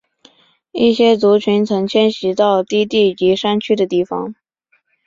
一些族群曾迁徙到低地及山区的地方。